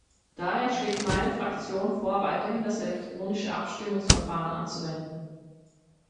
Daher schlägt meine Fraktion vor, weiterhin das elektronische Abstimmungsverfahren anzuwenden.